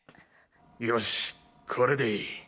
よしこれでいい。